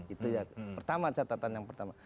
itu ya pertama catatan yang pertama